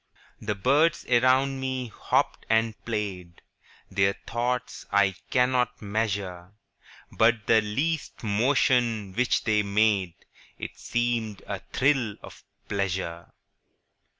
The birds around me hopped and played, Their thoughts I cannot measure:– But the least motion which they made It seemed a thrill of pleasure.